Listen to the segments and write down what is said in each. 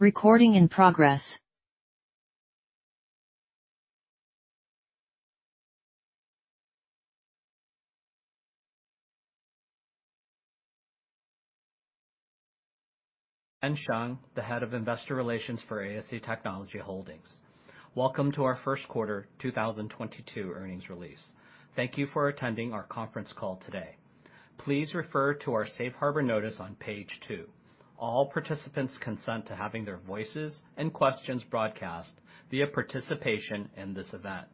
Ken Hsiang, the Head of Investor Relations for ASE Technology Holding. Welcome to our first quarter 2022 earnings release. Thank you for attending our conference call today. Please refer to our safe harbor notice on page two. All participants consent to having their voices and questions broadcast via participation in this event.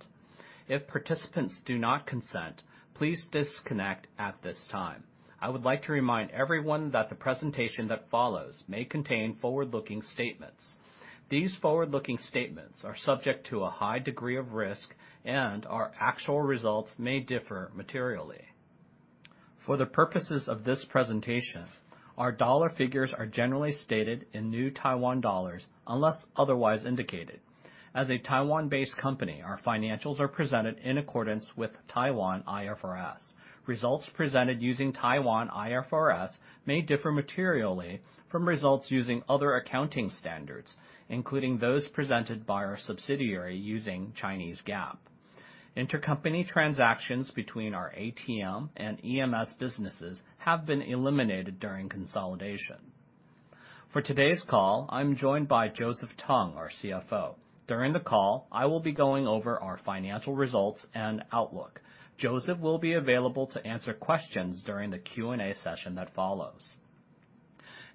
If participants do not consent, please disconnect at this time. I would like to remind everyone that the presentation that follows may contain forward-looking statements. These forward-looking statements are subject to a high degree of risk, and our actual results may differ materially. For the purposes of this presentation, our dollar figures are generally stated in New Taiwan dollars, unless otherwise indicated. As a Taiwan-based company, our financials are presented in accordance with Taiwan IFRS. Results presented using Taiwan IFRS may differ materially from results using other accounting standards, including those presented by our subsidiary using Chinese GAAP. Intercompany transactions between our ATM and EMS businesses have been eliminated during consolidation. For today's call, I'm joined by Joseph Tung, our CFO. During the call, I will be going over our financial results and outlook. Joseph will be available to answer questions during the Q&A session that follows.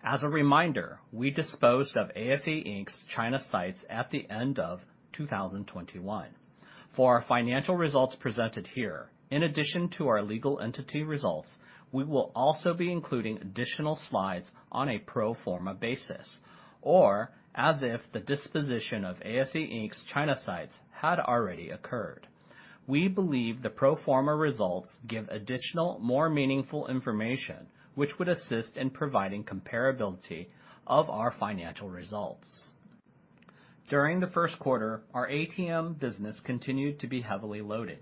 As a reminder, we disposed of ASE Inc.'s China sites at the end of 2021. For our financial results presented here, in addition to our legal entity results, we will also be including additional slides on a pro forma basis, or as if the disposition of ASE Inc.'s China sites had already occurred. We believe the pro forma results give additional, more meaningful information, which would assist in providing comparability of our financial results. During the first quarter, our ATM business continued to be heavily loaded.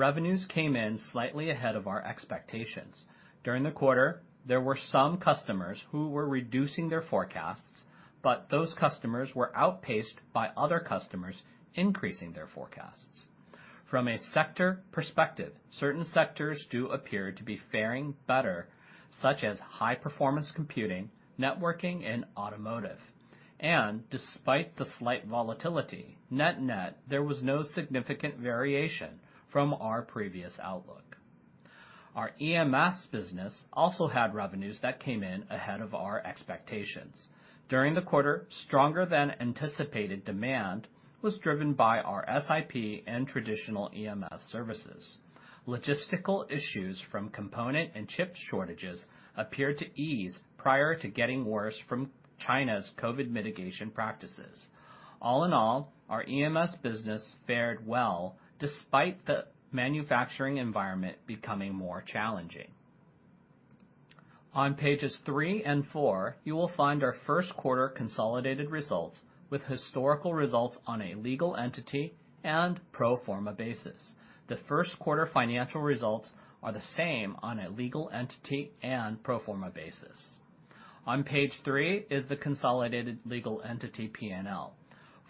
Revenues came in slightly ahead of our expectations. During the quarter, there were some customers who were reducing their forecasts, but those customers were outpaced by other customers increasing their forecasts. From a sector perspective, certain sectors do appear to be faring better, such as high-performance computing, networking, and automotive. Despite the slight volatility, net-net, there was no significant variation from our previous outlook. Our EMS business also had revenues that came in ahead of our expectations. During the quarter, stronger than anticipated demand was driven by our SIP and traditional EMS services. Logistical issues from component and chip shortages appeared to ease prior to getting worse from China's COVID mitigation practices. All in all, our EMS business fared well despite the manufacturing environment becoming more challenging. On pages three and four, you will find our first quarter consolidated results with historical results on a legal entity and pro forma basis. The first quarter financial results are the same on a legal entity and pro forma basis. On page three is the consolidated legal entity P&L.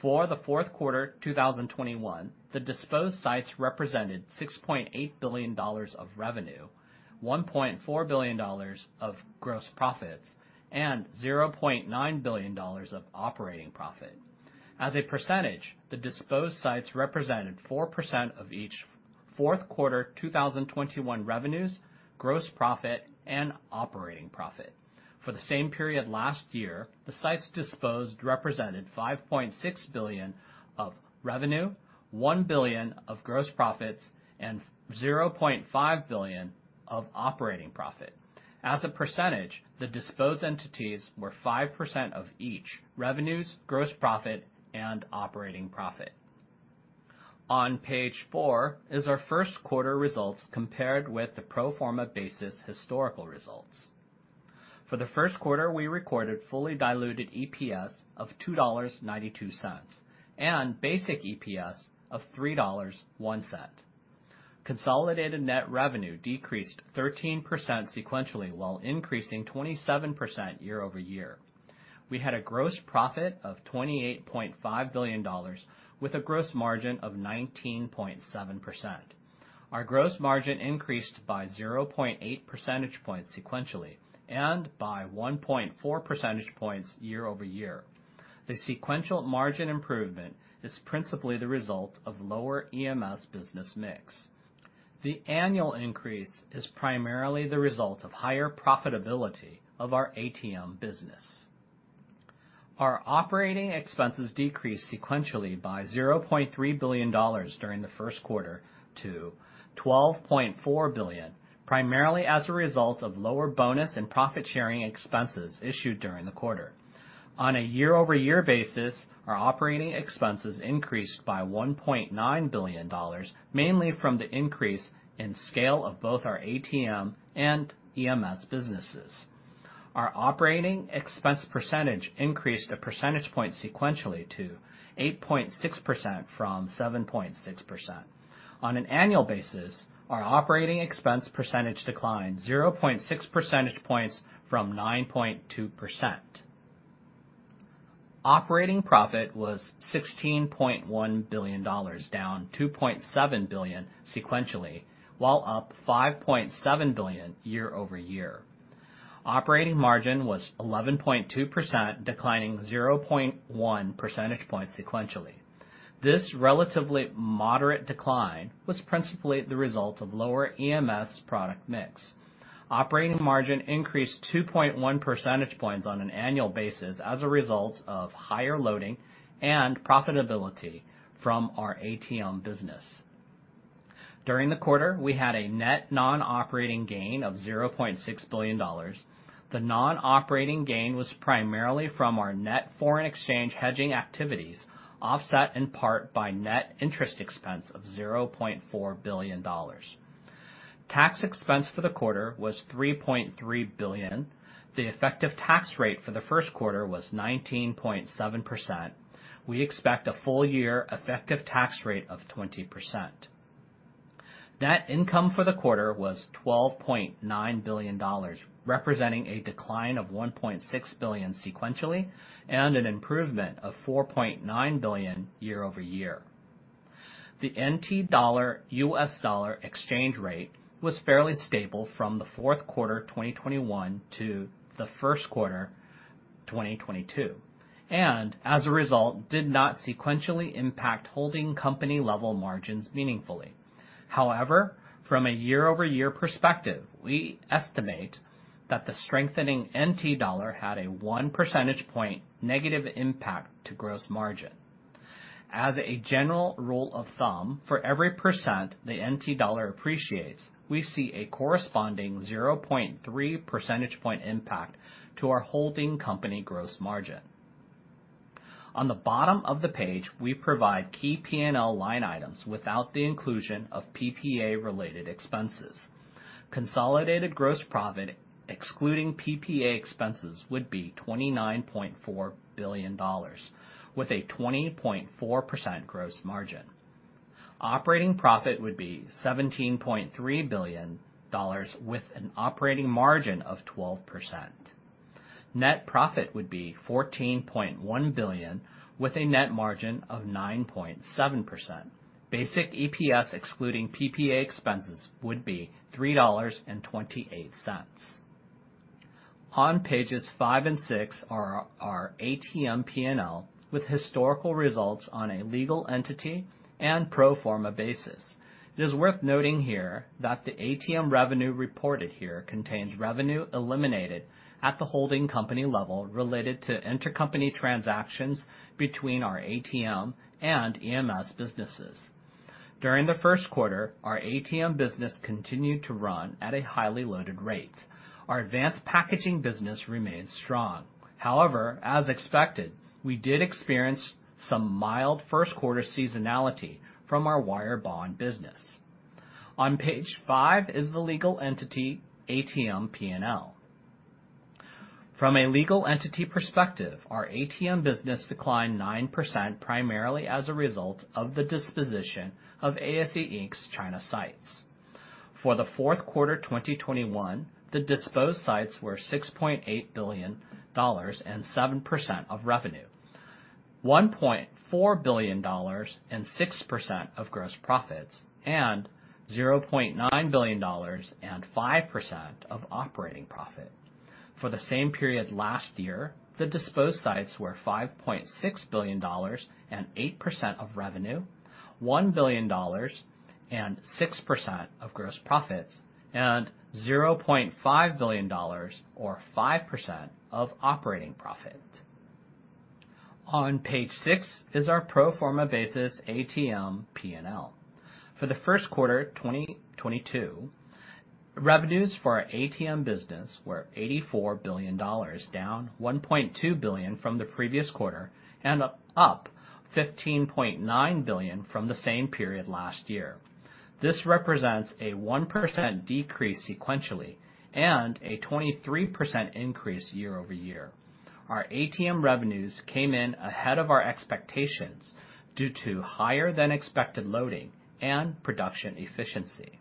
For the fourth quarter 2021, the disposed sites represented 6.8 billion dollars of revenue, 1.4 billion dollars of gross profits, and 0.9 billion dollars of operating profit. As a percentage, the disposed sites represented 4% of each fourth quarter 2021 revenues, gross profit, and operating profit. For the same period last year, the sites disposed represented 5.6 billion of revenue, 1 billion of gross profits, and 0.5 billion of operating profit. As a percentage, the disposed entities were 5% of each revenues, gross profit, and operating profit. On page four is our first quarter results compared with the pro forma basis historical results. For the first quarter, we recorded fully diluted EPS of 2.92 dollars and basic EPS of 3.01 dollars. Consolidated net revenue decreased 13% sequentially, while increasing 27% year-over-year. We had a gross profit of 28.5 billion dollars with a gross margin of 19.7%. Our gross margin increased by 0.8 percentage points sequentially and by 1.4 percentage points year-over-year. The sequential margin improvement is principally the result of lower EMS business mix. The annual increase is primarily the result of higher profitability of our ATM business. Our operating expenses decreased sequentially by 0.3 billion dollars during the first quarter to 12.4 billion, primarily as a result of lower bonus and profit sharing expenses issued during the quarter. On a year-over-year basis, our operating expenses increased by 1.9 billion dollars, mainly from the increase in scale of both our ATM and EMS businesses. Our operating expense percentage increased a percentage point sequentially to 8.6% from 7.6%. On an annual basis, our operating expense percentage declined 0.6 percentage points from 9.2%. Operating profit was 16.1 billion dollars, down 2.7 billion sequentially, while up 5.7 billion year-over-year. Operating margin was 11.2%, declining 0.1 percentage points sequentially. This relatively moderate decline was principally the result of lower EMS product mix. Operating margin increased 2.1 percentage points on an annual basis as a result of higher loading and profitability from our ATM business. During the quarter, we had a net non-operating gain of 0.6 billion dollars. The non-operating gain was primarily from our net foreign exchange hedging activities, offset in part by net interest expense of 0.4 billion dollars. Tax expense for the quarter was 3.3 billion. The effective tax rate for the first quarter was 19.7%. We expect a full year effective tax rate of 20%. Net income for the quarter was 12.9 billion dollars, representing a decline of 1.6 billion sequentially and an improvement of 4.9 billion year-over-year. The NT dollar-US dollar exchange rate was fairly stable from the fourth quarter 2021 to the first quarter 2022, and as a result, did not sequentially impact holding company level margins meaningfully. However, from a year-over-year perspective, we estimate that the strengthening NT dollar had a 1 percentage point negative impact to gross margin. As a general rule of thumb, for every percent the NT dollar appreciates, we see a corresponding 0.3 percentage point impact to our holding company gross margin. On the bottom of the page, we provide key P&L line items without the inclusion of PPA-related expenses. Consolidated gross profit, excluding PPA expenses, would be 29.4 billion dollars, with a 20.4% gross margin. Operating profit would be 17.3 billion dollars, with an operating margin of 12%. Net profit would be TWD 14.1 billion, with a net margin of 9.7%. Basic EPS excluding PPA expenses would be $3.28. On pages five and six are our ATM P&L with historical results on a legal entity and pro forma basis. It is worth noting here that the ATM revenue reported here contains revenue eliminated at the holding company level related to intercompany transactions between our ATM and EMS businesses. During the first quarter, our ATM business continued to run at a highly loaded rate. Our advanced packaging business remains strong. However, as expected, we did experience some mild first quarter seasonality from our wire bond business. On page five is the legal entity ATM P&L. From a legal entity perspective, our ATM business declined 9%, primarily as a result of the disposition of ASE Inc.'s China sites. For the fourth quarter 2021, the disposed sites were 6.8 billion dollars and 7% of revenue, 1.4 billion dollars and 6% of gross profits, and 0.9 billion dollars and 5% of operating profit. For the same period last year, the disposed sites were 5.6 billion dollars and 8% of revenue, 1 billion dollars and 6% of gross profits, and 0.5 billion dollars or 5% of operating profit. On page six is our pro forma basis ATM P&L. For the first quarter 2022, revenues for our ATM business were TWD 84 billion, down TWD 1.2 billion from the previous quarter and up TWD 15.9 billion from the same period last year. This represents a 1% decrease sequentially and a 23% increase year-over-year. Our ATM revenues came in ahead of our expectations due to higher than expected loading and production efficiency.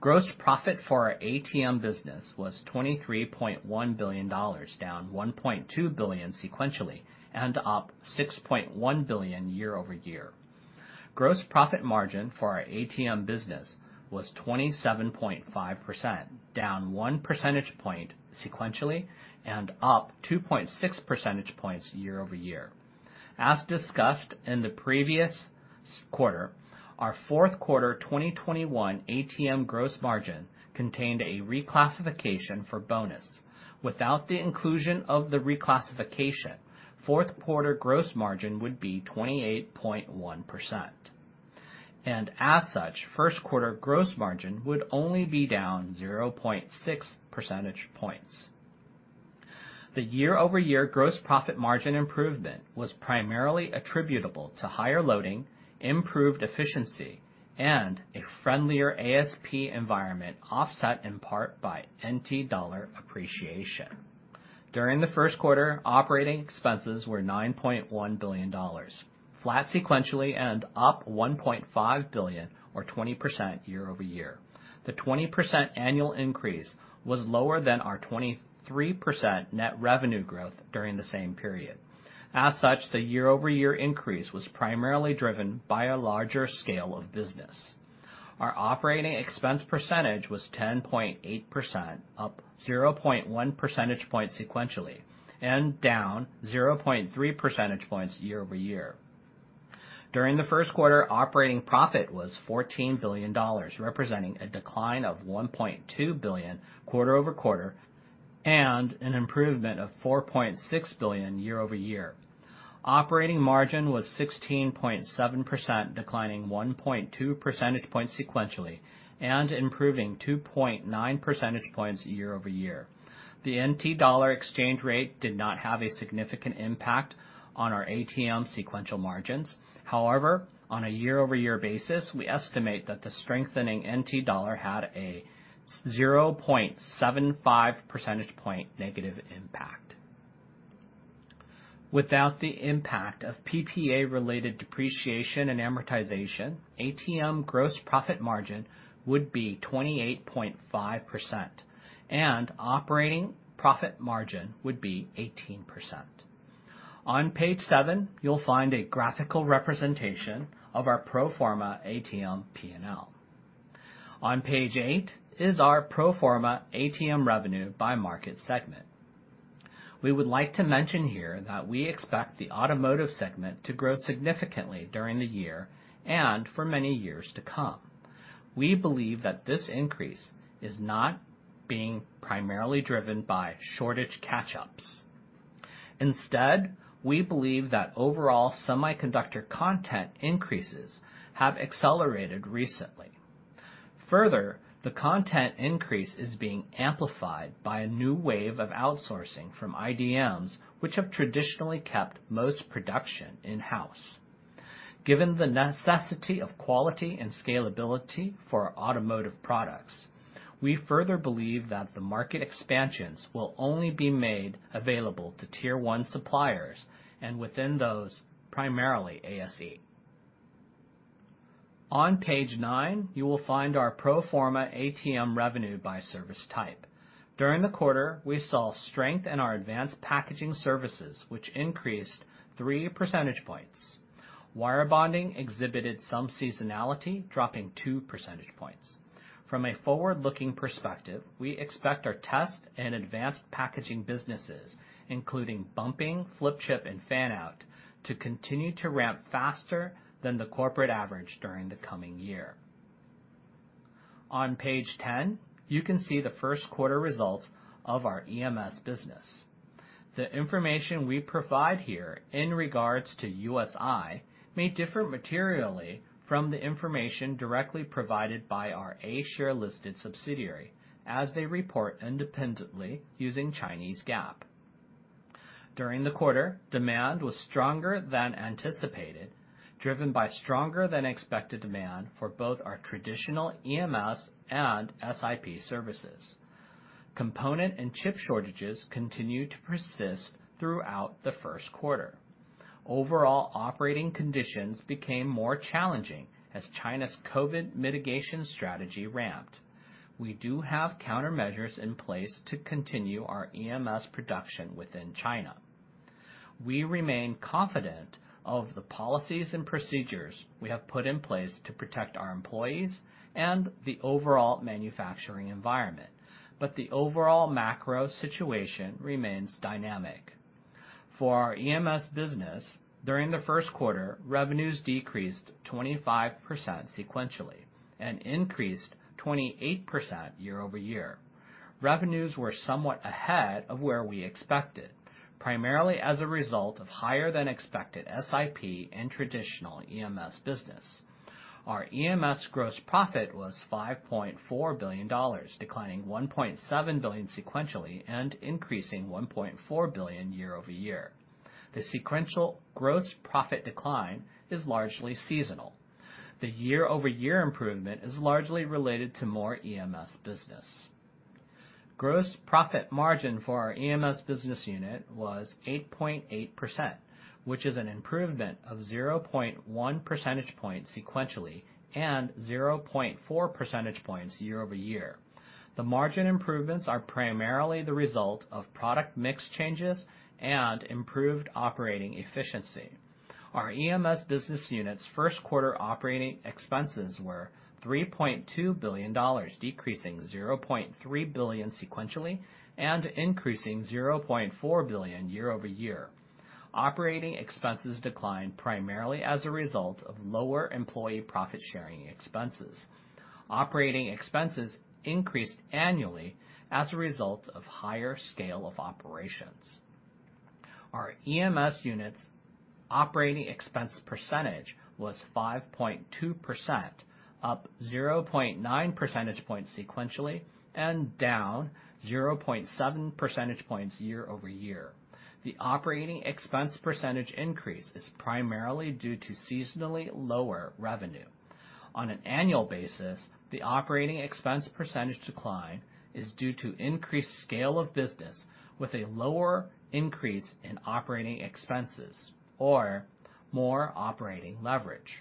Gross profit for our ATM business was 23.1 billion dollars, down 1.2 billion sequentially and up 6.1 billion year-over-year. Gross profit margin for our ATM business was 27.5%, down 1 percentage point sequentially and up 2.6 percentage points year-over-year. As discussed in the previous quarter, our fourth quarter 2021 ATM gross margin contained a reclassification for bonus. Without the inclusion of the reclassification, fourth quarter gross margin would be 28.1%. As such, first quarter gross margin would only be down 0.6 percentage points. The year-over-year gross profit margin improvement was primarily attributable to higher loading, improved efficiency, and a friendlier ASP environment, offset in part by NT dollar appreciation. During the first quarter, operating expenses were 9.1 billion dollars, flat sequentially and up 1.5 billion or 20% year-over-year. The 20% annual increase was lower than our 23% net revenue growth during the same period. As such, the year-over-year increase was primarily driven by a larger scale of business. Our operating expense percentage was 10.8%, up 0.1 percentage points sequentially, and down 0.3 percentage points year-over-year. During the first quarter, operating profit was 14 billion dollars, representing a decline of 1.2 billion quarter-over-quarter and an improvement of 4.6 billion year-over-year. Operating margin was 16.7%, declining 1.2 percentage points sequentially and improving 2.9 percentage points year-over-year. The NT dollar exchange rate did not have a significant impact on our ATM sequential margins. However, on a year-over-year basis, we estimate that the strengthening NT dollar had a 0.75 percentage point negative impact. Without the impact of PPA-related depreciation and amortization, ATM gross profit margin would be 28.5%, and operating profit margin would be 18%. On page seven, you'll find a graphical representation of our pro forma ATM P&L. On page eight is our pro forma ATM revenue by market segment. We would like to mention here that we expect the automotive segment to grow significantly during the year and for many years to come. We believe that this increase is not being primarily driven by shortage catch-ups. Instead, we believe that overall semiconductor content increases have accelerated recently. Further, the content increase is being amplified by a new wave of outsourcing from IDMs, which have traditionally kept most production in-house. Given the necessity of quality and scalability for our automotive products, we further believe that the market expansions will only be made available to tier one suppliers and within those, primarily ASE. On page nine, you will find our pro forma ATM revenue by service type. During the quarter, we saw strength in our advanced packaging services, which increased three percentage points. Wire bonding exhibited some seasonality, dropping 2 percentage points. From a forward-looking perspective, we expect our test and advanced packaging businesses, including bumping, flip chip, and fan-out, to continue to ramp faster than the corporate average during the coming year. On page 10, you can see the first quarter results of our EMS business. The information we provide here in regards to USI may differ materially from the information directly provided by our A share-listed subsidiary as they report independently using Chinese GAAP. During the quarter, demand was stronger than anticipated, driven by stronger than expected demand for both our traditional EMS and SIP services. Component and chip shortages continued to persist throughout the first quarter. Overall operating conditions became more challenging as China's COVID mitigation strategy ramped. We do have countermeasures in place to continue our EMS production within China. We remain confident of the policies and procedures we have put in place to protect our employees and the overall manufacturing environment, but the overall macro situation remains dynamic. For our EMS business, during the first quarter, revenues decreased 25% sequentially and increased 28% year-over-year. Revenues were somewhat ahead of where we expected, primarily as a result of higher than expected SIP in traditional EMS business. Our EMS gross profit was 5.4 billion dollars, declining 1.7 billion sequentially, and increasing 1.4 billion year-over-year. The sequential gross profit decline is largely seasonal. The year-over-year improvement is largely related to more EMS business. Gross profit margin for our EMS business unit was 8.8%, which is an improvement of 0.1 percentage points sequentially and 0.4 percentage points year-over-year. The margin improvements are primarily the result of product mix changes and improved operating efficiency. Our EMS business unit's first quarter operating expenses were 3.2 billion dollars, decreasing 0.3 billion sequentially, and increasing 0.4 billion year-over-year. Operating expenses declined primarily as a result of lower employee profit sharing expenses. Operating expenses increased annually as a result of higher scale of operations. Our EMS unit's operating expense percentage was 5.2%, up 0.9 percentage points sequentially, and down 0.7 percentage points year-over-year. The operating expense percentage increase is primarily due to seasonally lower revenue. On an annual basis, the operating expense percentage decline is due to increased scale of business with a lower increase in operating expenses or more operating leverage.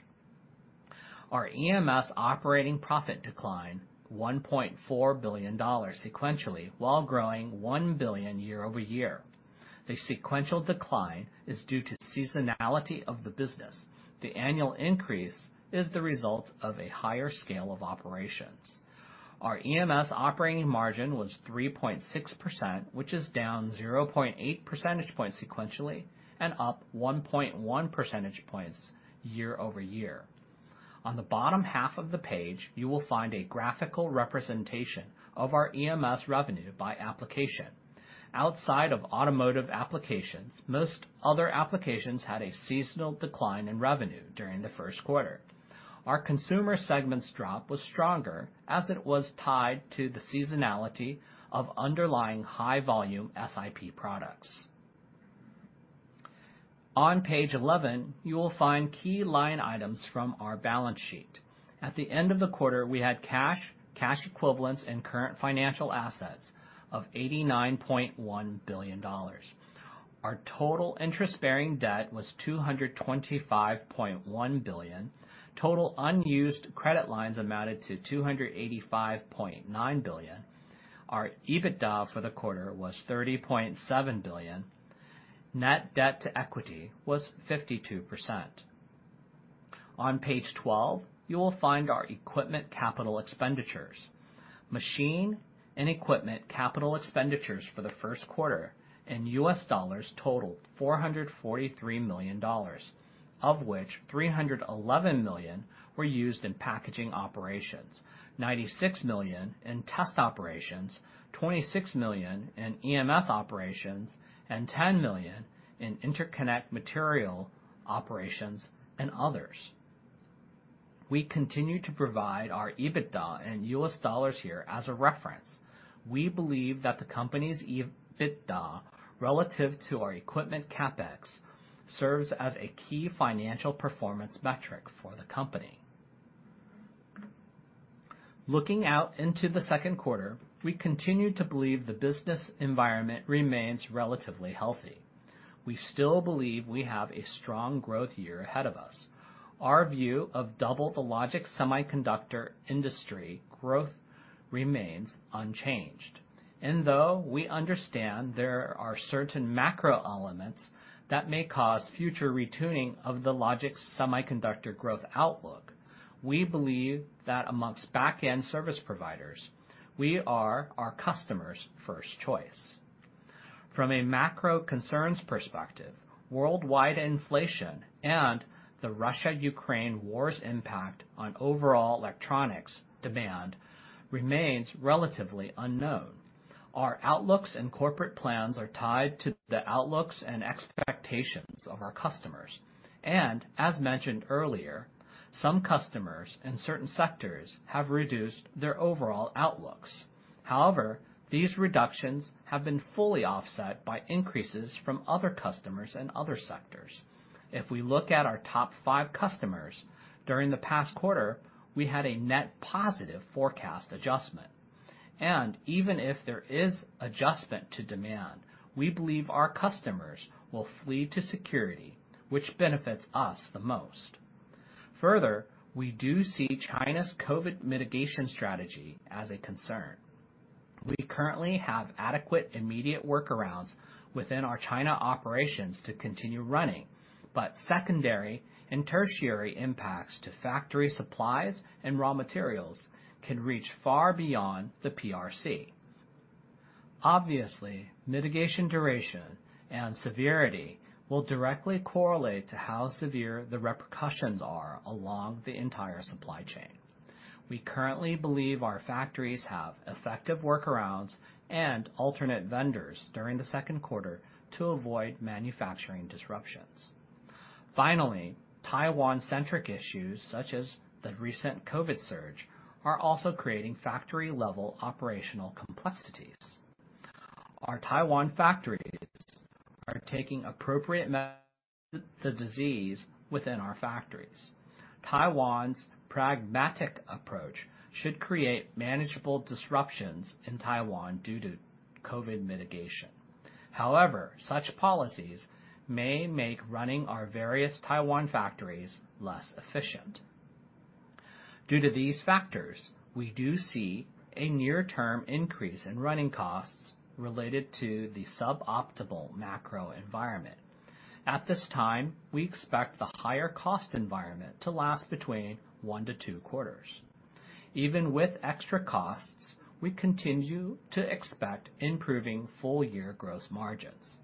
Our EMS operating profit declined 1.4 billion dollars sequentially, while growing 1 billion year-over-year. The sequential decline is due to seasonality of the business. The annual increase is the result of a higher scale of operations. Our EMS operating margin was 3.6%, which is down 0.8 percentage points sequentially and up 1.1 percentage points year-over-year. On the bottom half of the page, you will find a graphical representation of our EMS revenue by application. Outside of automotive applications, most other applications had a seasonal decline in revenue during the first quarter. Our consumer segment's drop was stronger as it was tied to the seasonality of underlying high-volume SIP products. On page 11, you will find key line items from our balance sheet. At the end of the quarter, we had cash equivalents, and current financial assets of 89.1 billion dollars. Our total interest-bearing debt was 225.1 billion. Total unused credit lines amounted to 285.9 billion. Our EBITDA for the quarter was 30.7 billion. Net debt to equity was 52%. On page 12, you will find our equipment capital expenditures. Machine and equipment capital expenditures for the first quarter in US dollars totaled $443 million, of which $311 million were used in packaging operations, $96 million in test operations, $26 million in EMS operations, and $10 million in interconnect material operations and others. We continue to provide our EBITDA in US dollars here as a reference. We believe that the company's EBITDA relative to our equipment CapEx serves as a key financial performance metric for the company. Looking out into the second quarter, we continue to believe the business environment remains relatively healthy. We still believe we have a strong growth year ahead of us. Our view of double the logic semiconductor industry growth remains unchanged. Though we understand there are certain macro elements that may cause future retuning of the logic semiconductor growth outlook, we believe that among back-end service providers, we are our customers' first choice. From a macro concerns perspective, worldwide inflation and the Russia-Ukraine war's impact on overall electronics demand remains relatively unknown. Our outlooks and corporate plans are tied to the outlooks and expectations of our customers. As mentioned earlier, some customers in certain sectors have reduced their overall outlooks. However, these reductions have been fully offset by increases from other customers in other sectors. If we look at our top five customers, during the past quarter, we had a net positive forecast adjustment. Even if there is adjustment to demand, we believe our customers will flee to security, which benefits us the most. Further, we do see China's COVID mitigation strategy as a concern. We currently have adequate immediate workarounds within our China operations to continue running, but secondary and tertiary impacts to factory supplies and raw materials can reach far beyond the PRC. Obviously, mitigation duration and severity will directly correlate to how severe the repercussions are along the entire supply chain. We currently believe our factories have effective workarounds and alternate vendors during the second quarter to avoid manufacturing disruptions. Finally, Taiwan-centric issues, such as the recent COVID surge, are also creating factory-level operational complexities. Our Taiwan factories are taking appropriate measures to the disease within our factories. Taiwan's pragmatic approach should create manageable disruptions in Taiwan due to COVID mitigation. However, such policies may make running our various Taiwan factories less efficient. Due to these factors, we do see a near-term increase in running costs related to the suboptimal macro environment. At this time, we expect the higher cost environment to last between one to two quarters. Even with extra costs, we continue to expect improving full-year gross margins.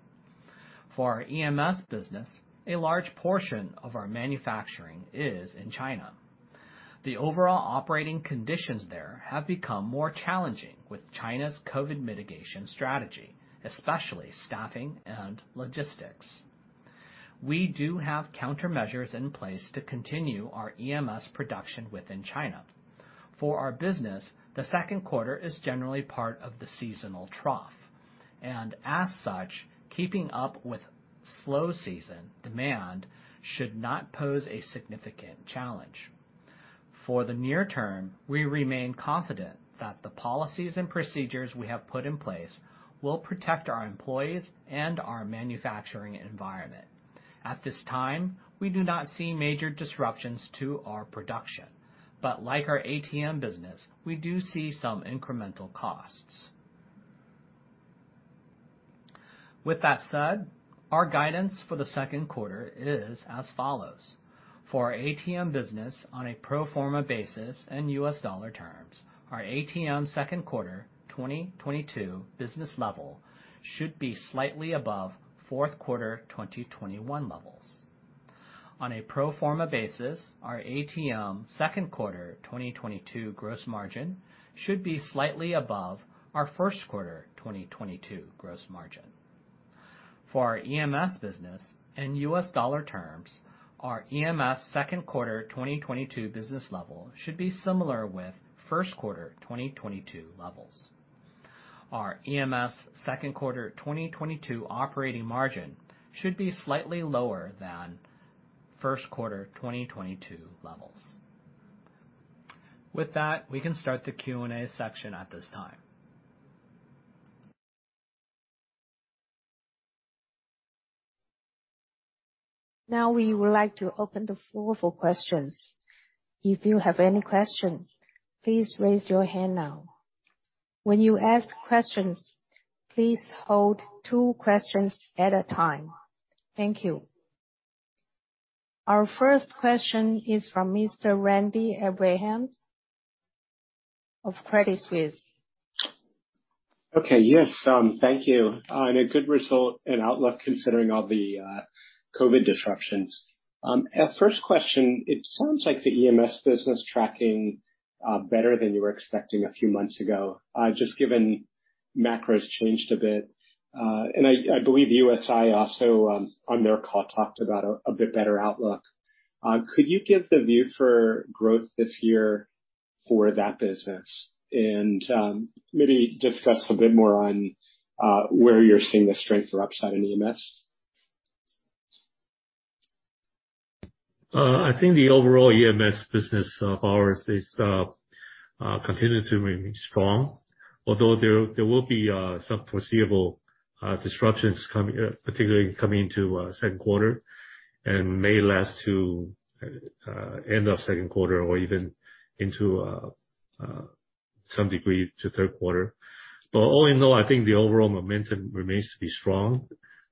For our EMS business, a large portion of our manufacturing is in China. The overall operating conditions there have become more challenging with China's COVID mitigation strategy, especially staffing and logistics. We do have countermeasures in place to continue our EMS production within China. For our business, the second quarter is generally part of the seasonal trough, and as such, keeping up with slow season demand should not pose a significant challenge. For the near term, we remain confident that the policies and procedures we have put in place will protect our employees and our manufacturing environment. At this time, we do not see major disruptions to our production, but like our ATM business, we do see some incremental costs. With that said, our guidance for the second quarter is as follows. For our ATM business on a pro forma basis in U.S. dollar terms, our ATM second quarter 2022 business level should be slightly above fourth quarter 2021 levels. On a pro forma basis, our ATM second quarter 2022 gross margin should be slightly above our first quarter 2022 gross margin. For our EMS business in U.S. dollar terms, our EMS second quarter 2022 business level should be similar with first quarter 2022 levels. Our EMS second quarter 2022 operating margin should be slightly lower than first quarter 2022 levels. With that, we can start the Q&A section at this time. Now, we would like to open the floor for questions. If you have any questions, please raise your hand now. When you ask questions, please hold two questions at a time. Thank you. Our first question is from Mr. Randy Abrams of Credit Suisse. Okay. Yes, thank you. On a good result and outlook considering all the COVID disruptions. Our first question, it sounds like the EMS business tracking better than you were expecting a few months ago, just given macro's changed a bit. I believe USI also on their call talked about a bit better outlook. Could you give the view for growth this year for that business? Maybe discuss a bit more on where you're seeing the strength or upside in EMS. I think the overall EMS business of ours is continuing to remain strong. Although there will be some foreseeable disruptions coming, particularly coming into second quarter and may last to end of second quarter or even into some degree to third quarter. I think the overall momentum remains to be strong.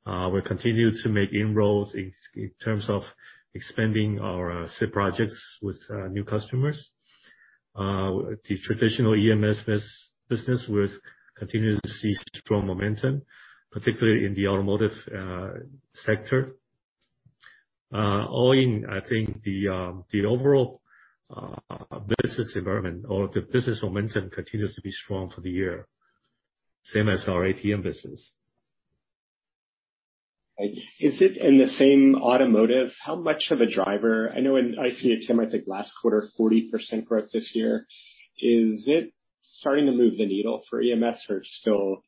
We continue to make inroads in terms of expanding our SIP projects with new customers. The traditional EMS business, we're continuing to see strong momentum, particularly in the automotive sector. All in, I think the overall business environment or the business momentum continues to be strong for the year, same as our ATM business. Is it in the same automotive? How much of a driver? I know in [ICX, I think last quarter, 40% growth this year. Is it starting to move the needle for EMS or it's still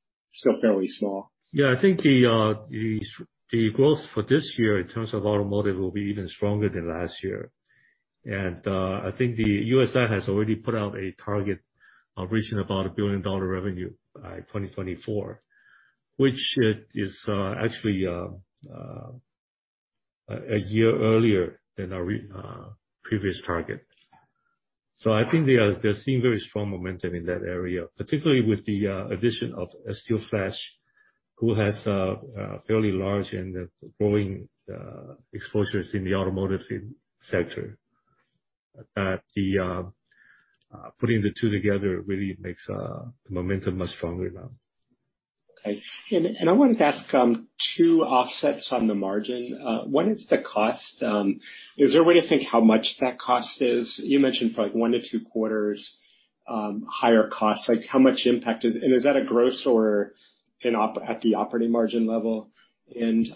fairly small? Yeah. I think the growth for this year in terms of automotive will be even stronger than last year. I think the USI has already put out a target of reaching about a billion-dollar revenue by 2024, which is actually a year earlier than our previous target. I think they're seeing very strong momentum in that area, particularly with the addition of Asteelflash, who has a fairly large and growing exposures in the automotive sector. Putting the two together really makes the momentum much stronger now. Okay. I wanted to ask two offsets on the margin. One is the cost. Is there a way to think how much that cost is? You mentioned for like one to two quarters higher costs. Like, how much impact is. Is that a gross or operating margin level?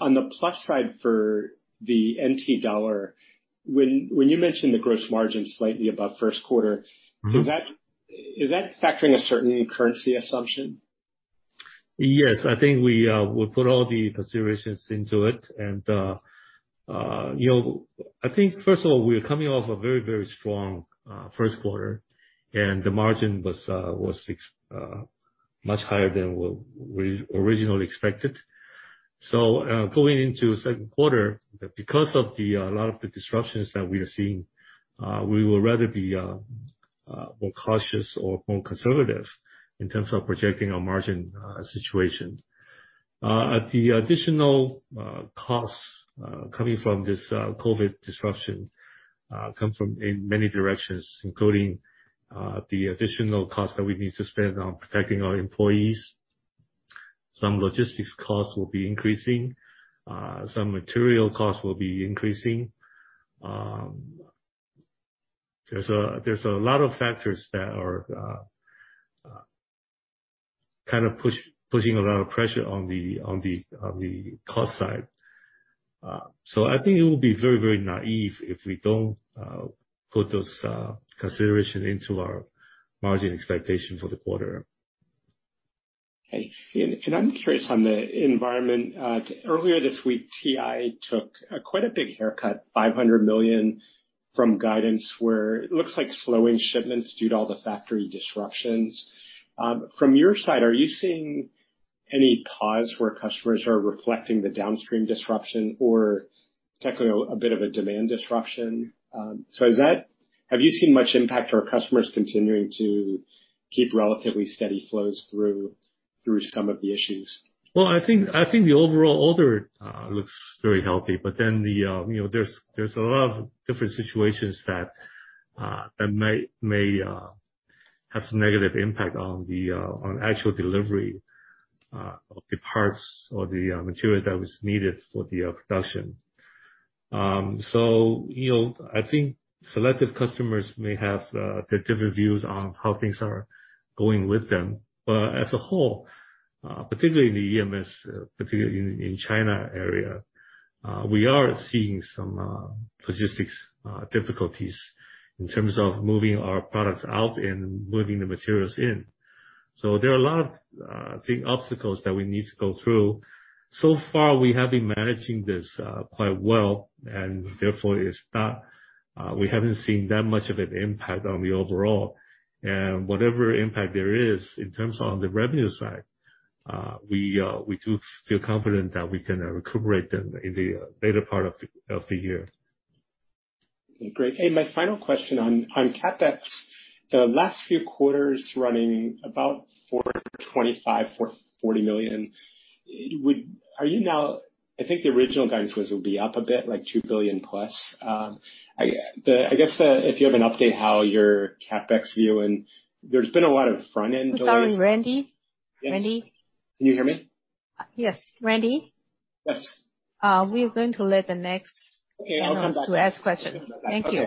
On the plus side for the NT dollar, when you mentioned the gross margin slightly above first quarter. Mm-hmm. Is that factoring a certain currency assumption? Yes. I think we put all the considerations into it. I think first of all, you know, we're coming off a very, very strong first quarter, and the margin was much higher than what we originally expected. Going into second quarter, because of the lot of the disruptions that we are seeing, we will rather be more cautious or more conservative in terms of projecting our margin situation. The additional costs coming from this COVID disruption come from in many directions, including the additional costs that we need to spend on protecting our employees. Some logistics costs will be increasing, some material costs will be increasing. There's a lot of factors that are kind of pushing a lot of pressure on the cost side. I think it will be very, very naive if we don't put those consideration into our margin expectation for the quarter. I'm curious on the environment. Earlier this week, TI took quite a big haircut, 500 million from guidance where it looks like slowing shipments due to all the factory disruptions. From your side, are you seeing any calls where customers are reflecting the downstream disruption or technically a bit of a demand disruption? Have you seen much impact or customers continuing to keep relatively steady flows through some of the issues? Well, I think the overall order looks very healthy, but then you know, there's a lot of different situations that may have some negative impact on actual delivery of the parts or the materials that was needed for the production. You know, I think selective customers may have their different views on how things are going with them. But as a whole, particularly in the EMS, particularly in China area, we are seeing some logistics difficulties in terms of moving our products out and moving the materials in. There are a lot of I think obstacles that we need to go through. So far, we have been managing this quite well and therefore it's not. We haven't seen that much of an impact on the overall. Whatever impact there is in terms of the revenue side, we do feel confident that we can recuperate them in the later part of the year. Great. My final question on CapEx. The last few quarters running about 425 million, TWD 440 million. Are you now? I think the original guidance was it'll be up a bit, like 2 billion+. I guess if you have an update how your CapEx view and there's been a lot of front-end loading. Sorry, Randy. Can you hear me? Yes. Randy? Yes. We are going to let the next- Okay, I'll come back. Panelist to ask questions. Thank you.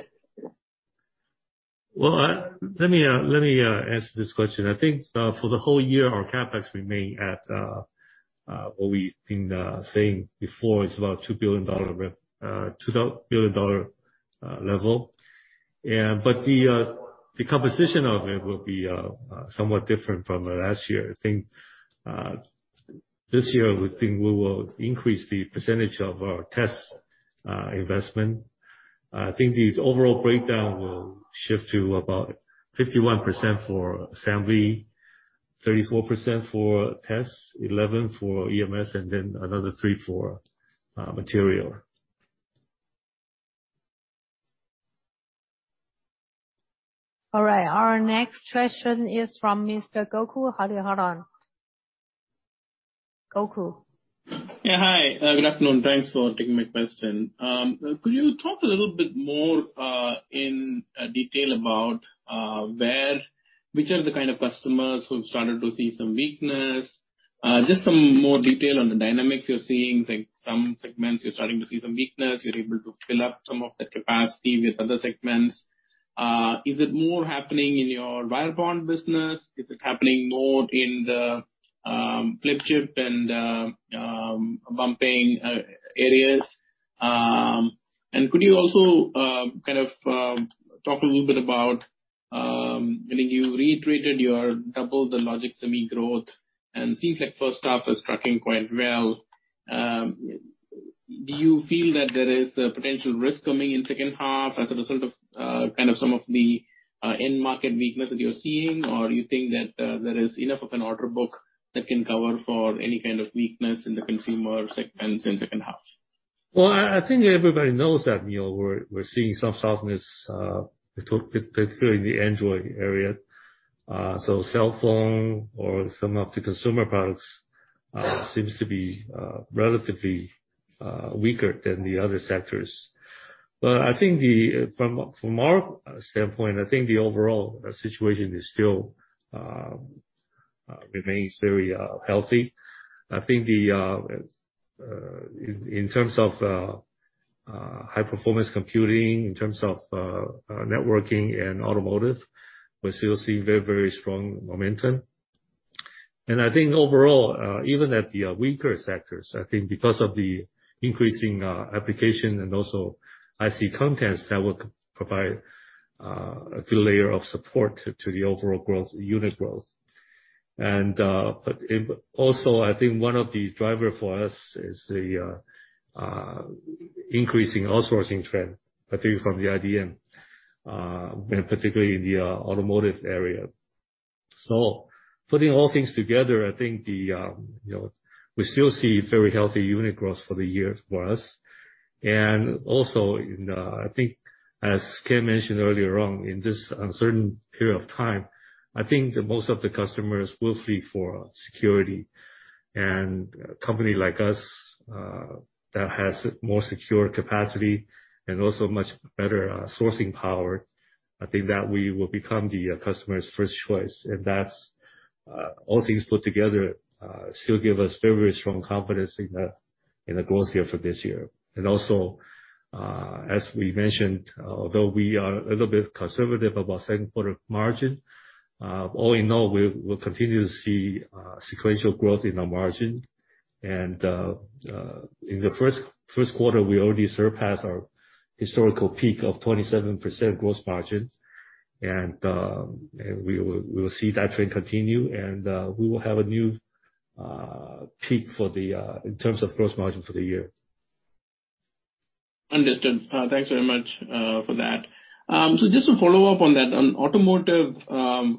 Well, let me answer this question. I think for the whole year, our CapEx remain at what we've been saying before, it's about 2 billion dollar level. Yeah, the composition of it will be somewhat different from last year. I think this year we think we will increase the percentage of our test investment. I think the overall breakdown will shift to about 51% for semi, 34% for tests, 11% for EMS, and then another 3% for material. All right. Our next question is from Mr. Gokul Hariharan. Goku. Yeah, hi. Good afternoon. Thanks for taking my question. Could you talk a little bit more in detail about where which are the kind of customers who have started to see some weakness? Just some more detail on the dynamics you're seeing, like some segments you're starting to see some weakness, you're able to fill up some of the capacity with other segments. Is it more happening in your wire bond business? Is it happening more in the flip chip and bumping areas? And could you also kind of talk a little bit about, I mean, you reiterated your double the logic semi-growth, and seems like first half is tracking quite well. Do you feel that there is a potential risk coming in second half as a result of, kind of some of the, end market weakness that you're seeing? Or you think that there is enough of an order book that can cover for any kind of weakness in the consumer segments in second half? Well, I think everybody knows that, you know, we're seeing some softness, particularly in the Android area. So cell phone or some of the consumer products seems to be relatively weaker than the other sectors. From our standpoint, I think the overall situation is still remains very healthy. I think in terms of high performance computing, in terms of networking and automotive, we're still seeing very, very strong momentum. I think overall, even at the weaker sectors, I think because of the increasing application and also IC contents, that will provide a good layer of support to the overall growth, unit growth. Also, I think one of the driver for us is the increasing outsourcing trend, I think from the IDM and particularly in the automotive area. Putting all things together, I think you know we still see very healthy unit growth for the year for us. Also, I think as Ken mentioned earlier on, in this uncertain period of time, I think that most of the customers will flee for security. A company like us that has more secure capacity and also much better sourcing power, I think that we will become the customer's first choice. That's all things put together still give us very strong confidence in the growth year for this year. Also, as we mentioned, although we are a little bit conservative about second quarter margin, all in all, we'll continue to see sequential growth in our margin. In the first quarter, we already surpassed our historical peak of 27% gross margins. We will see that trend continue, and we will have a new peak for the year in terms of gross margin. Understood. Thanks very much for that. Just to follow up on that, on automotive,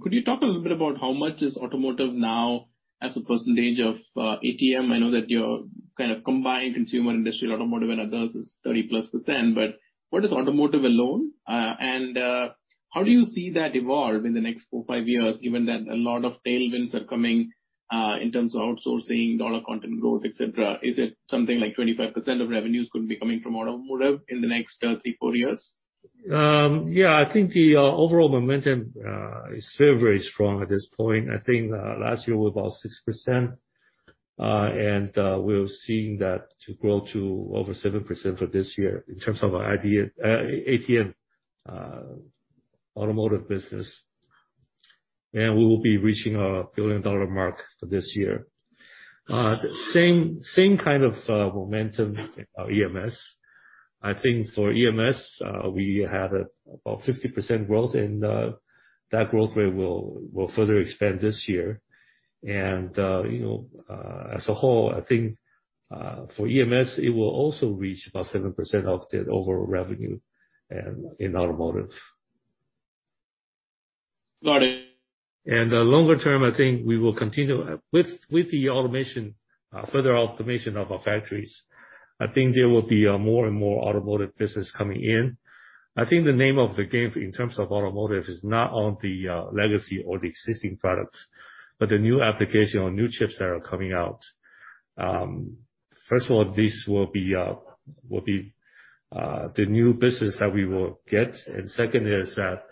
could you talk a little bit about how much is automotive now as a percentage of ATM? I know that your kind of combined consumer industry, automotive and others is 30%+, but what is automotive alone? How do you see that evolve in the next four, five years, given that a lot of tailwinds are coming in terms of outsourcing, dollar content growth, et cetera? Is it something like 25% of revenues could be coming from automotive in the next three, four years? Yeah, I think the overall momentum is still very strong at this point. I think last year was about 6%. We're seeing that to grow to over 7% for this year in terms of our ATM automotive business. We will be reaching our billion-dollar mark for this year. Same kind of momentum, EMS. I think for EMS, we have about 50% growth and that growth rate will further expand this year. You know, for EMS, it will also reach about 7% of the overall revenue in automotive. Got it. Longer term, I think we will continue with the automation, further automation of our factories. I think there will be more and more automotive business coming in. I think the name of the game in terms of automotive is not on the legacy or the existing products, but the new application or new chips that are coming out. First of all, this will be the new business that we will get. Second is that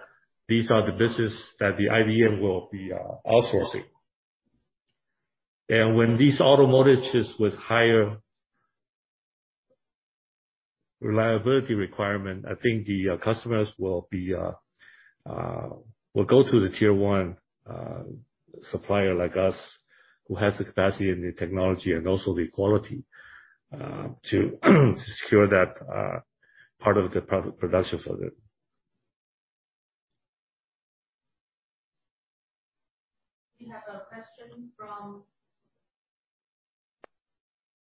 these are the business that the IDM will be outsourcing. When these automotive chips with higher reliability requirement, I think the customers will be will go to the tier one supplier like us, who has the capacity and the technology and also the quality to secure that part of the production for them.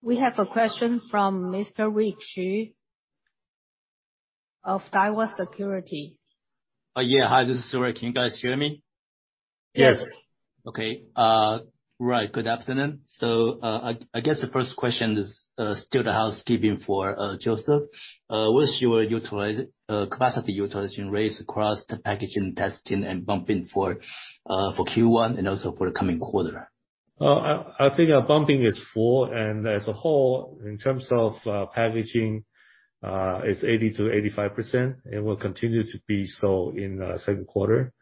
We have a question from Mr. Rick Hsu of Daiwa Securities. Yeah. Hi, this is Rick. Can you guys hear me? Yes. Okay. Right. Good afternoon. I guess the first question is still the housekeeping for Joseph. What's your capacity utilization rates across the packaging, testing, and bumping for Q1 and also for the coming quarter? I think our bumping is full. As a whole, in terms of packaging, it's 80%-85%. It will continue to be so in second quarter.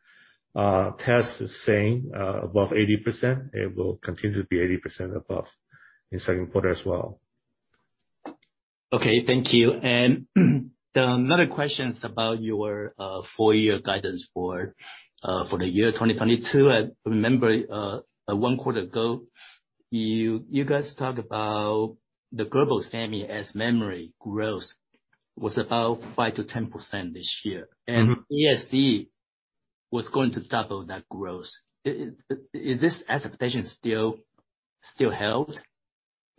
Test is same, above 80%. It will continue to be above 80% in second quarter as well. Okay, thank you. Another question is about your full year guidance for the year 2022. I remember one quarter ago, you guys talked about the global semi as memory growth was about 5%-10% this year. Mm-hmm. ASE was going to double that growth. Is this expectation still held?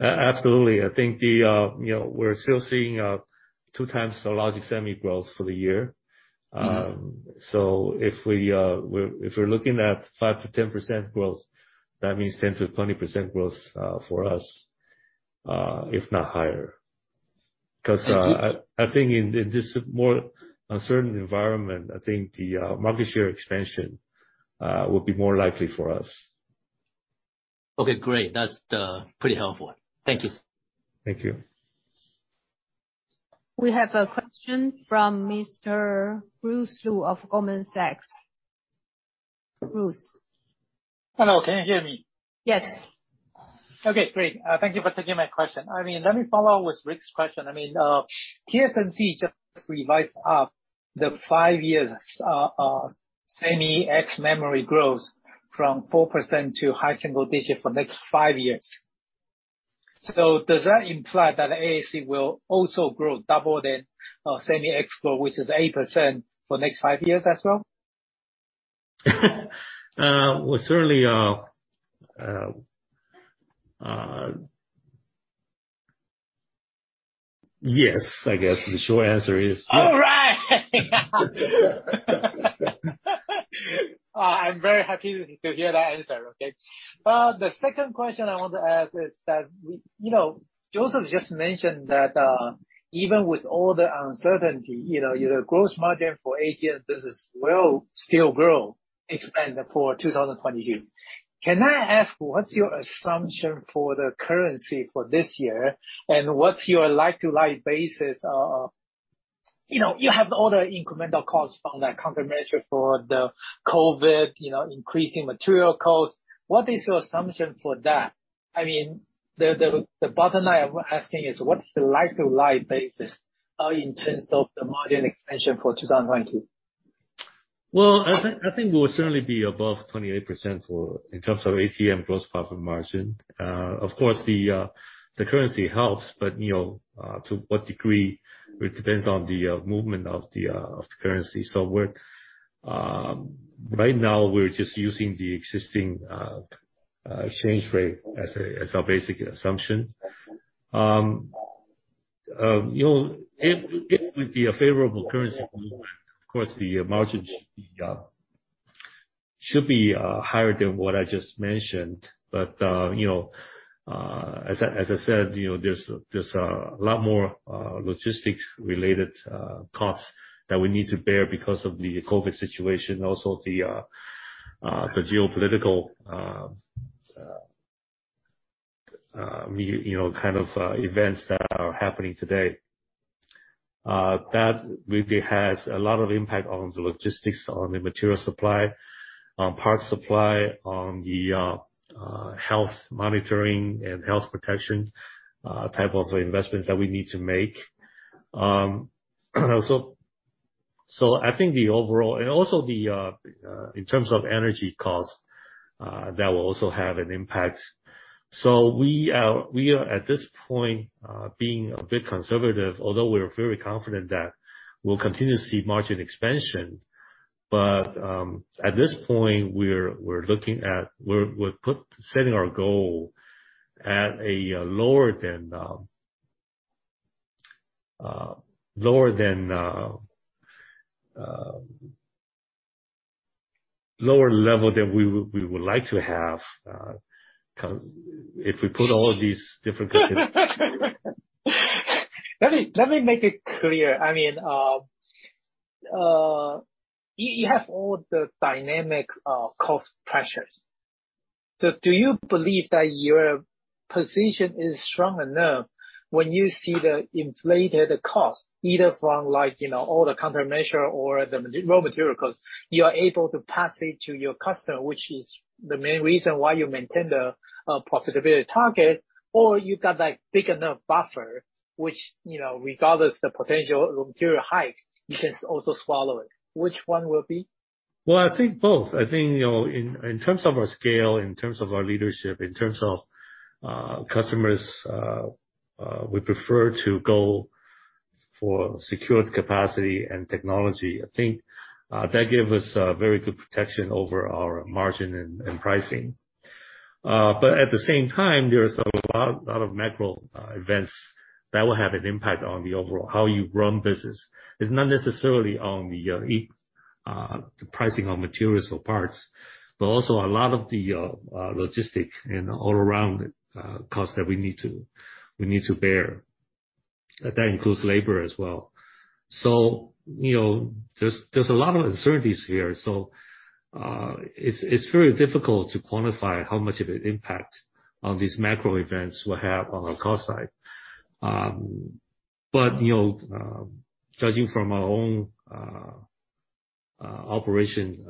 Absolutely. I think we're still seeing two times the logic semi growth for the year. If we're looking at 5%-10% growth, that means 10%-20% growth for us, if not higher. Because I think in this more uncertain environment, I think the market share expansion will be more likely for us. Okay, great. That's pretty helpful. Thank you. Thank you. We have a question from Mr. Bruce Lu of Goldman Sachs. Bruce. Hello, can you hear me? Yes. Okay, great. Thank you for taking my question. I mean, let me follow up with Rick's question. I mean, TSMC just revised up the five years semi ex-memory growth from 4% to high single digits for next five years. Does that imply that ASE will also grow double the semi expo, which is 8% for next five years as well? Well, certainly. Yes, I guess the short answer is yes. All right. I'm very happy to hear that answer. Okay. The second question I want to ask is that we, you know, Joseph just mentioned that, even with all the uncertainty, you know, your growth margin for ATM business will still grow, expand for 2022. Can I ask what's your assumption for the currency for this year? And what's your like-for-like basis, you know, you have all the incremental costs from that countermeasure for the COVID, you know, increasing material costs. What is your assumption for that? I mean, the bottom line I'm asking is what is the like-for-like basis, in terms of the margin expansion for 2022? Well, I think we'll certainly be above 28% in terms of ATM gross profit margin. Of course, the currency helps, but you know, to what degree, it depends on the movement of the currency. We're right now just using the existing exchange rate as our basic assumption. You know, if with the favorable currency, of course, the margins should be higher than what I just mentioned. You know, as I said, you know, there's a lot more logistics-related costs that we need to bear because of the COVID situation, also the geopolitical you know, kind of events that are happening today. That really has a lot of impact on the logistics, on the material supply, on the parts supply, on the health monitoring and health protection type of investments that we need to make. I think the overall and also in terms of energy costs that will also have an impact. We are at this point being a bit conservative, although we are very confident that we'll continue to see margin expansion. At this point, we're setting our goal at a lower level than we would like to have kind of if we put all these different considerations. Let me make it clear. I mean, you have all the dynamic cost pressures. Do you believe that your position is strong enough when you see the inflated cost, either from like, you know, all the countermeasure or the raw material costs, you are able to pass it to your customer, which is the main reason why you maintain the profitability target. Or you got that big enough buffer, which, you know, regardless of the potential material hike, you can also swallow it. Which one will it be? Well, I think both. I think, you know, in terms of our scale, in terms of our leadership, in terms of customers, we prefer to go for secured capacity and technology. I think that give us very good protection over our margin and pricing. But at the same time, there is a lot of macro events that will have an impact on the overall how you run business. It's not necessarily on the pricing on materials or parts, but also a lot of the logistics and all around costs that we need to bear. That includes labor as well. You know, there's a lot of uncertainties here, so it's very difficult to quantify how much of an impact these macro events will have on our cost side. You know, judging from our own operation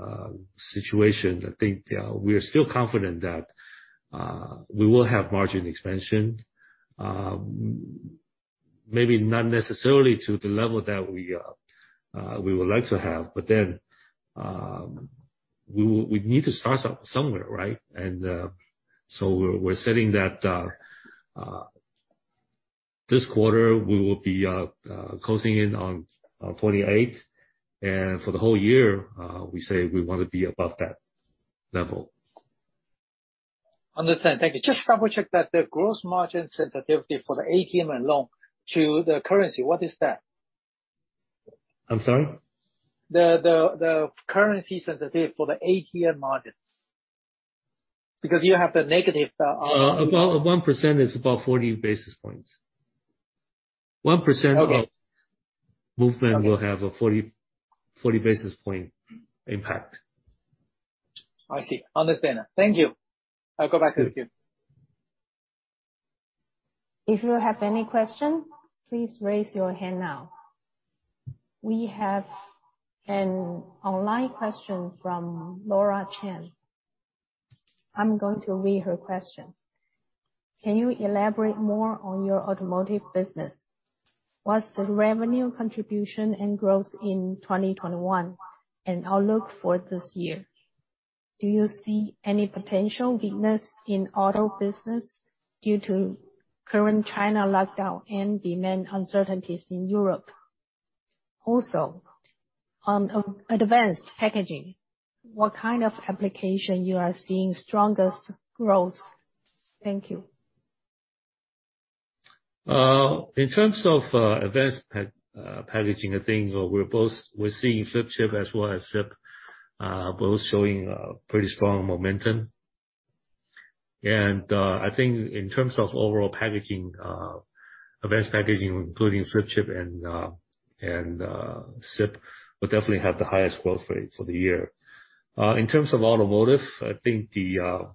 situation, I think we are still confident that we will have margin expansion, maybe not necessarily to the level that we would like to have. We would need to start somewhere, right? So we're setting that this quarter, we will be closing in on 28%. For the whole year, we say we wanna be above that level. Understood. Thank you. Just double-check that the gross margin sensitivity for the ATM and long to the currency. What is that? I'm sorry? The currency sensitivity for the ATM margins. Because you have the negative 1% is about 40 basis points. Okay. 1% of movement will have a 40-40 basis point impact. I see. Understood. Thank you. I'll go back to the queue. If you have any question, please raise your hand now. We have an online question from Laura Chen. I'm going to read her question. Can you elaborate more on your automotive business? What's the revenue contribution and growth in 2021 and outlook for this year? Do you see any potential weakness in auto business due to current China lockdown and demand uncertainties in Europe? Also, on advanced packaging, what kind of application you are seeing strongest growth? Thank you. In terms of advanced packaging, I think we're seeing flip chip as well as SIP both showing pretty strong momentum. I think in terms of overall packaging, advanced packaging, including flip chip and SIP, will definitely have the highest growth rate for the year. In terms of automotive, I think you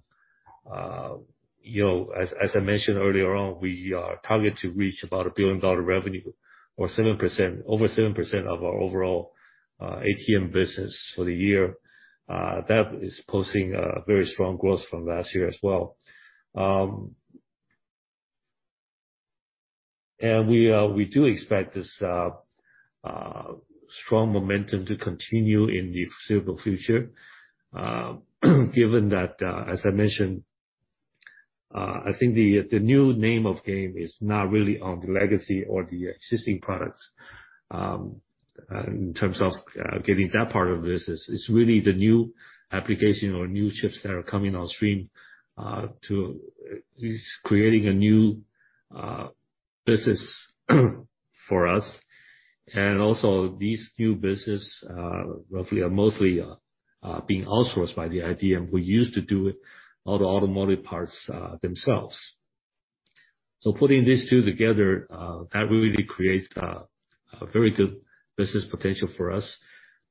know, as I mentioned earlier on, we target to reach about 1 billion dollar revenue or over 7% of our overall ATM business for the year, that is posting a very strong growth from last year as well. We do expect this strong momentum to continue in the foreseeable future. Given that, as I mentioned, I think the new name of the game is not really on the legacy or the existing products, in terms of getting that part of the business. It's really the new application or new chips that are coming on stream, too is creating a new business for us. Also these new business roughly are mostly being outsourced by the IDM. We used to do all the automotive parts themselves. Putting these two together, that really creates a very good business potential for us.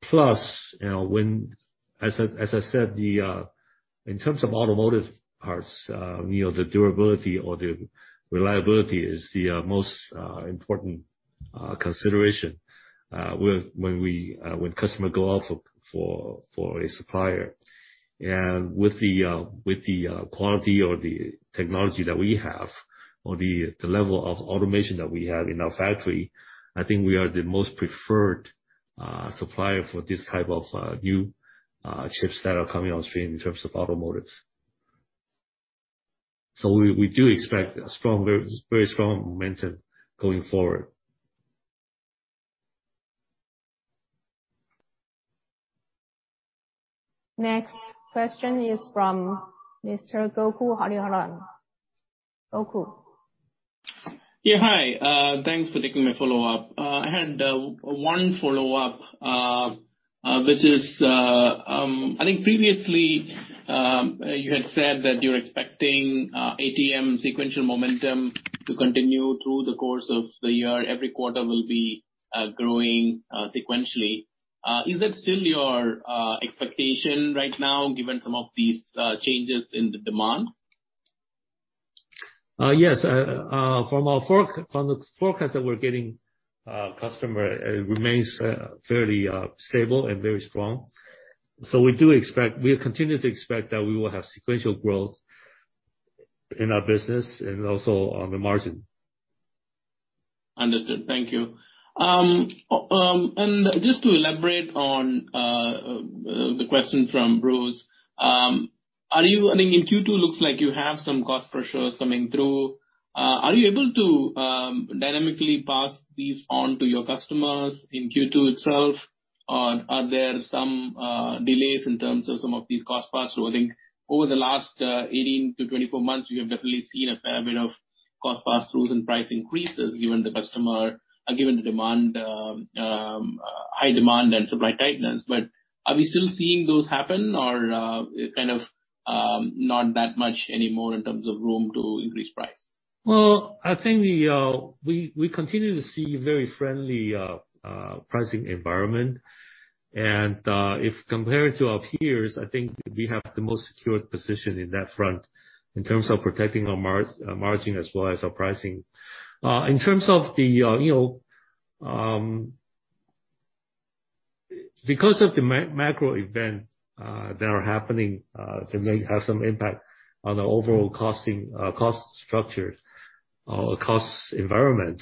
Plus, you know, when as I said, in terms of automotive parts, you know, the durability or the reliability is the most important consideration when customer go out for a supplier. With the quality or the technology that we have or the level of automation that we have in our factory, I think we are the most preferred supplier for this type of new chips that are coming on stream in terms of automotive. We do expect a strong, very, very strong momentum going forward. Next question is from Mr. Gokul Hariharan. Gokul. Yeah, hi. Thanks for taking my follow-up. I had one follow-up, which is, I think previously, you had said that you're expecting ATM sequential momentum to continue through the course of the year. Every quarter will be growing sequentially. Is that still your expectation right now, given some of these changes in the demand? Yes. From the forecast that we're getting, customers remain fairly stable and very strong. We continue to expect that we will have sequential growth in our business, and also on the margin. Understood. Thank you. Just to elaborate on the question from Bruce, I mean, in Q2 looks like you have some cost pressures coming through. Are you able to dynamically pass these on to your customers in Q2 itself? Or are there some delays in terms of some of these cost passes? I think over the last 18-24 months, we have definitely seen a fair bit of cost pass-throughs and price increases, given the customer, given the demand, high demand and supply tightness. Are we still seeing those happen or kind of not that much anymore in terms of room to increase price? Well, I think we continue to see very friendly pricing environment. If comparing to our peers, I think we have the most secured position in that front in terms of protecting our margin as well as our pricing. In terms of, you know, because of the macro event that are happening, they may have some impact on the overall costing, cost structure or cost environment.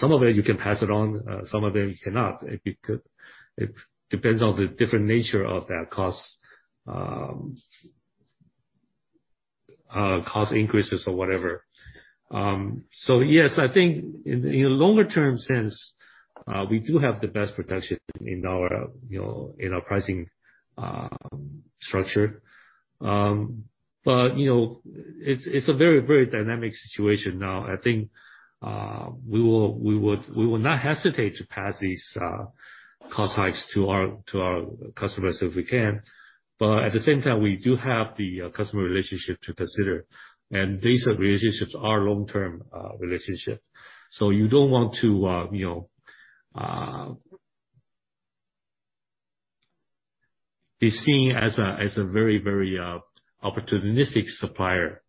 Some of it, you can pass it on, some of it you cannot. It depends on the different nature of that cost increases or whatever. Yes, I think in a longer-term sense, we do have the best protection in our, you know, in our pricing structure. You know, it's a very, very dynamic situation now. I think we will not hesitate to pass these cost hikes to our customers if we can. At the same time, we do have the customer relationship to consider, and these relationships are long-term relationship. You don't want to, you know, be seen as a very opportunistic supplier,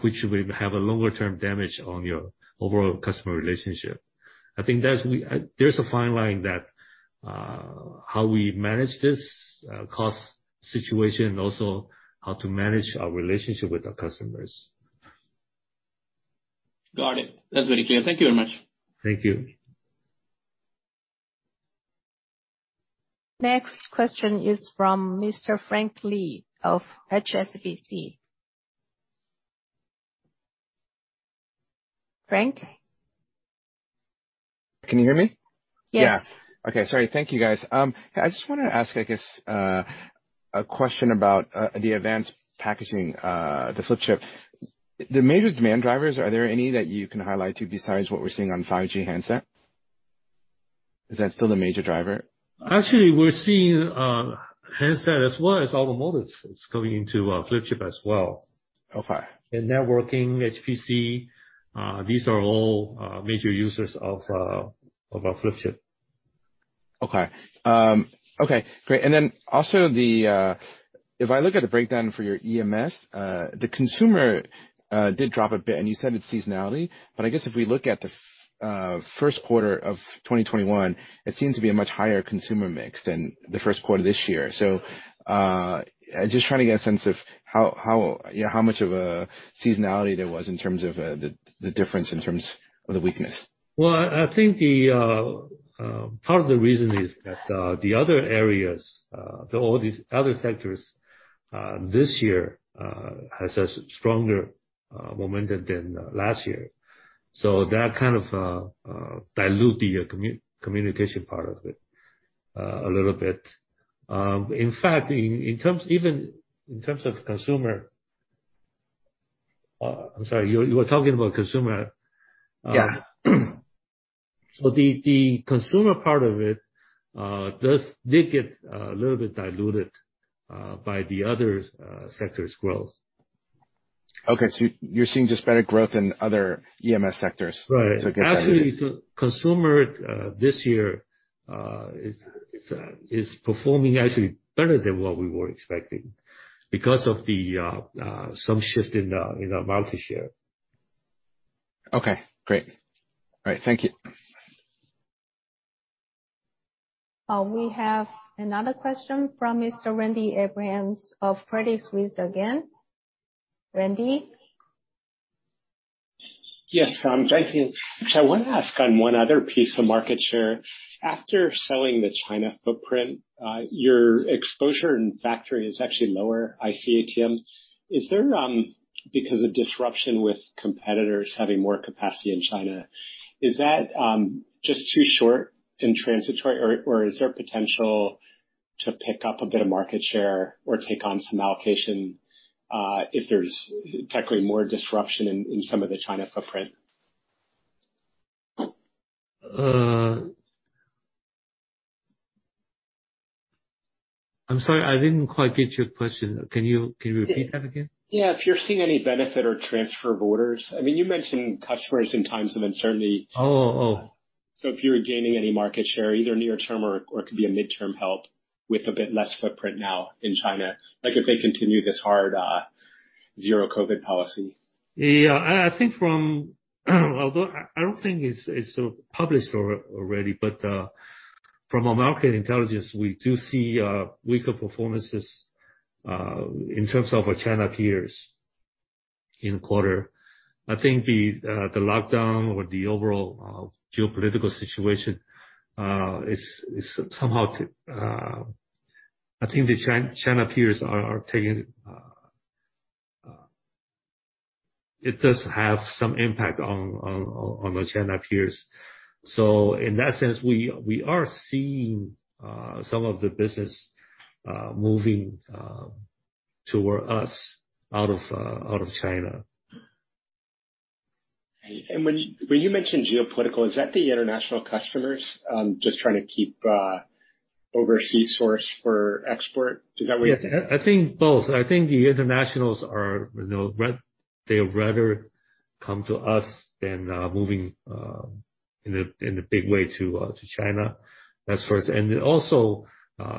which will have a longer-term damage on your overall customer relationship. I think there's a fine line that how we manage this cost situation, also how to manage our relationship with our customers. Got it. That's very clear. Thank you very much. Thank you. Next question is from Mr. Frank Lee of HSBC. Frank? Can you hear me? Yes. Yeah. Okay, sorry. Thank you, guys. I just wanna ask, I guess, a question about, the advanced packaging, the flip chip. The major demand drivers, are there any that you can highlight too, besides what we're seeing on 5G handset? Is that still the major driver? Actually, we're seeing handset as well as automotive is going into flip chip as well. Okay. The networking HPC, these are all major users of our flip chip. Okay, great. If I look at the breakdown for your EMS, the consumer did drop a bit, and you said it's seasonality, but I guess if we look at the first quarter of 2021, it seems to be a much higher consumer mix than the first quarter this year. Just trying to get a sense of how much of a seasonality there was in terms of the difference in terms of the weakness. Well, I think the part of the reason is that the other areas, all these other sectors this year, has a stronger momentum than last year. That kind of dilute the communication part of it a little bit. In fact, even in terms of consumer. I'm sorry, you were talking about consumer. Yeah. The consumer part of it did get a little bit diluted by the other sectors' growth. Okay. You're seeing just better growth in other EMS sectors. Right. I get that. Actually, the consumer this year is performing actually better than what we were expecting because of some shift in the market share. Okay, great. All right. Thank you. We have another question from Mr. Randy Abrams of Credit Suisse again. Randy? Yes, I'm joining. I wanna ask on one other piece of market share. After selling the China footprint, your exposure in factory is actually lower IC ATM. Is there, because of disruption with competitors having more capacity in China, is that just too short and transitory or is there potential to pick up a bit of market share or take on some allocation, if there's technically more disruption in some of the China footprint? I'm sorry, I didn't quite get your question. Can you repeat that again? Yeah. If you're seeing any benefit or transfer of orders? I mean, you mentioned customers in times of uncertainty? Oh. Oh. If you're gaining any market share, either near term or it could be a midterm help with a bit less footprint now in China, like if they continue this hard zero COVID policy. Yeah. I think, although I don't think it's published already, but from a market intelligence, we do see weaker performances in terms of our China peers in quarter. It does have some impact on the China peers. In that sense, we are seeing some of the business moving toward us out of China. When you mention geopolitical, is that the international customers just trying to keep overseas source for export? Is that what you're saying? Yes. I think both. I think the internationals are, you know, they rather come to us than moving in a big way to China that's first.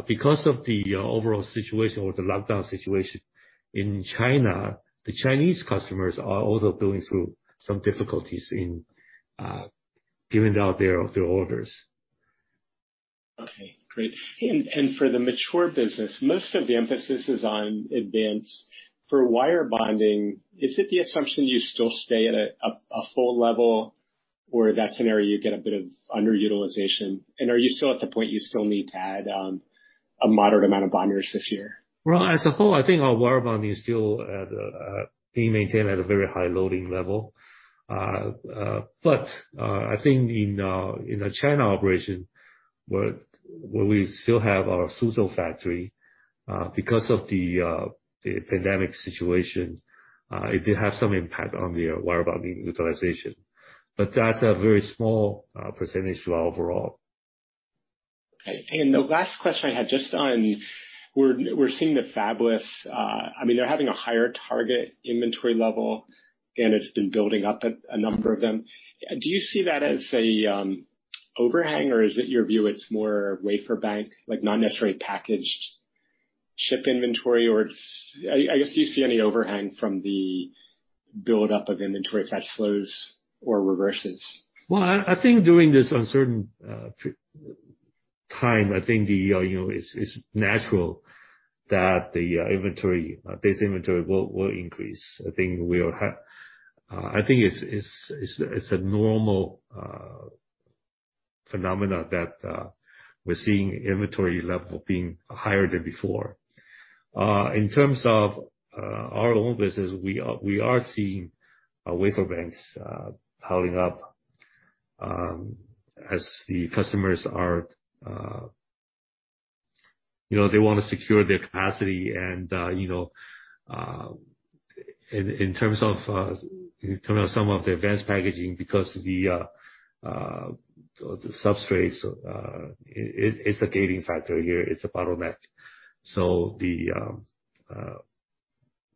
Because of the overall situation or the lockdown situation in China, the Chinese customers are also going through some difficulties in giving out their orders. Okay, great. For the mature business, most of the emphasis is on advanced. For wire bonding, is it the assumption you still stay at a full level or that scenario you get a bit of underutilization? Are you still at the point you still need to add a moderate amount of bonders this year? Well, as a whole, I think our wire bonding is still being maintained at a very high loading level. I think in the China operation, where we still have our Suzhou factory, because of the pandemic situation, it did have some impact on the wire bonding utilization. That's a very small percentage to our overall. Okay. The last question I had just on, we're seeing the fabless. I mean, they're having a higher target inventory level, and it's been building up a number of them. Do you see that as a overhang, or is it your view it's more wafer bank, like not necessarily packaged chip inventory or it's. I guess, do you see any overhang from the buildup of inventory if that slows or reverses? Well, I think during this uncertain time, I think you know, it's natural that the base inventory will increase. I think it's a normal phenomenon that we're seeing inventory level being higher than before. In terms of our own business, we are seeing wafer banks piling up as the customers are you know, they wanna secure their capacity. You know, in terms of some of the advanced packaging, because the substrates, it's a gating factor here. It's a bottleneck.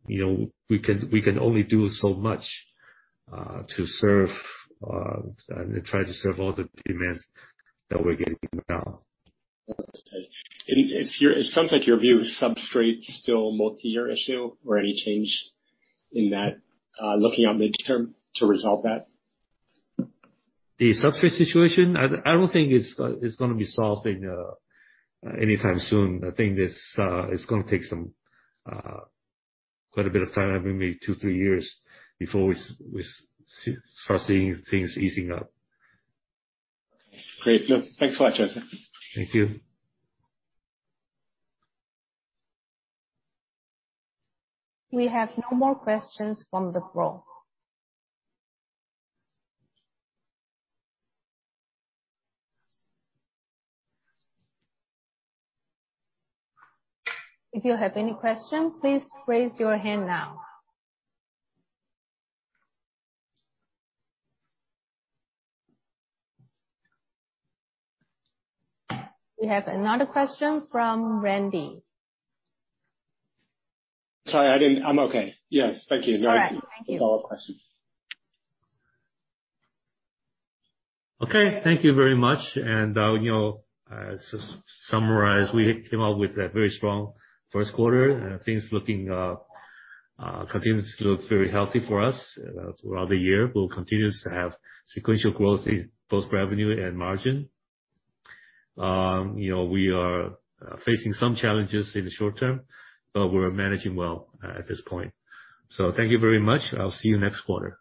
You know, we can only do so much to try to serve all the demands that we're getting now. Okay. It sounds like your view is substrate's still multiyear issue or any change in that, looking out midterm to resolve that? The substrate situation, I don't think it's gonna be solved in anytime soon. I think it's gonna take some quite a bit of time, maybe two, three years before we start seeing things easing up. Okay. Great. Look, thanks a lot, Joseph. Thank you. We have no more questions from the floor. If you have any questions, please raise your hand now. We have another question from Randy. I'm okay. Yeah. Thank you. All right. Thank you. Follow-up question. Okay. Thank you very much. To summarize, we came up with a very strong first quarter. Things continue to look very healthy for us throughout the year. We'll continue to have sequential growth in both revenue and margin. We are facing some challenges in the short term, but we're managing well at this point. Thank you very much. I'll see you next quarter.